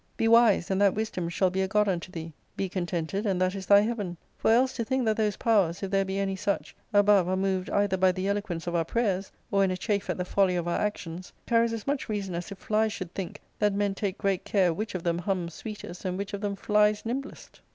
Be wise, and that wisdom shall be a god unto thee ; be con tented, and that is thy heaven : for else to think that those powers, if there be any such, above are moved either by the eloquence of our prayers, or in a chafe at the folly of our actions, carries as much reason as if flies should think that men take great care which of them hums sweetest and which of them flies nimblest."